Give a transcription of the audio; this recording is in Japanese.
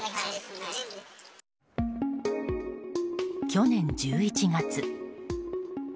去年１１月。